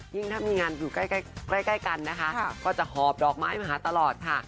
ถ้ามีงานอยู่ใกล้กันนะคะก็จะหอบดอกไม้มาหาตลอดค่ะ